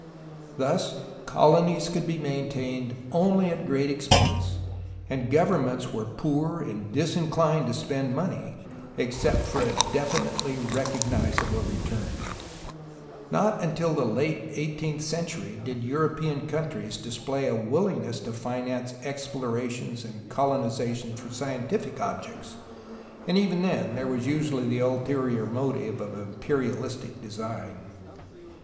Thus colonies could be maintained only at great expense, and governments were poor and disincHned to spend money, except for a definitely recognizable return; not until the late eighteenth century did European countries display a willingness to finance ex plorations and colonization for scientific objects, and even then there was usually the ulterior motive of imperialistic design.